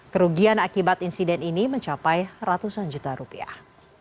kerugian akibat insiden ini mencapai ratusan juta rupiah